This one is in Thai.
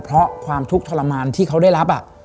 เพราะความทุกข์ทรมานที่เขาได้รับ